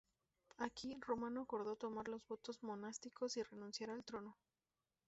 Aquí, Romano acordó tomar los votos monásticos y renunciar al trono.